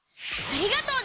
ありがとう！